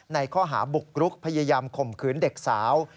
ในข้อหาบุกรุกพยายามข่มขืนเด็กสาว